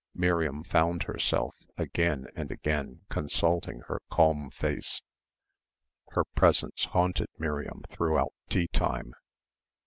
Miriam found herself again and again consulting her calm face. Her presence haunted Miriam throughout tea time.